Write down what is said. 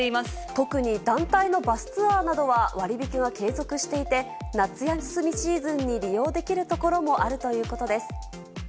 特に団体のバスツアーなどは、割引が継続していて、夏休みシーズンに利用できる所もあるということです。